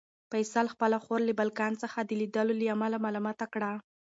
فیصل خپله خور له بالکن څخه د لیدلو له امله ملامته کړه.